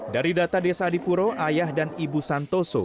dari data desa adipuro ayah dan ibu santoso